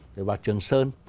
rồi vào trường sơn